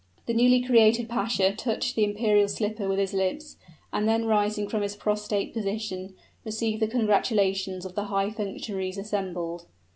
The newly created pasha touched the imperial slipper with his lips, and then rising from his prostrate position, received the congratulations of the high functionaries assembled.